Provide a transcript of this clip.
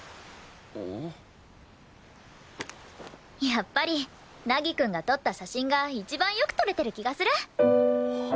やっぱり凪くんが撮った写真が一番よく撮れてる気がする！